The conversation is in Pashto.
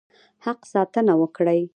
حق ساتنه وکړي.